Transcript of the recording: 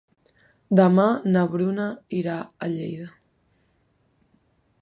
Demà na Bruna irà a Lleida.